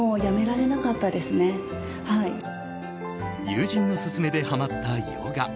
友人の勧めでハマったヨガ。